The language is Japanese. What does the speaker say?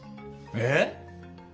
えっ！？